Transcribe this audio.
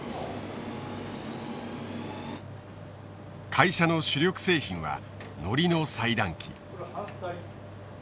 会社の主力製品は海苔の裁断機。